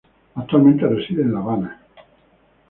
Actualmente reside en La Habana.